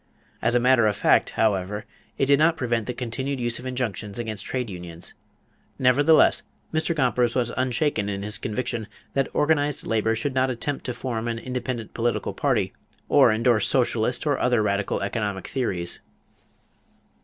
As a matter of fact, however, it did not prevent the continued use of injunctions against trade unions. Nevertheless Mr. Gompers was unshaken in his conviction that organized labor should not attempt to form an independent political party or endorse socialist or other radical economic theories.